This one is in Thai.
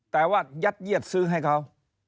แต่ว่ายัดเยียดซื้อให้เขา